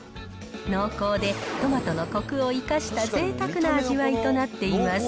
濃厚でトマトのこくを生かしたぜいたくな味わいとなっています。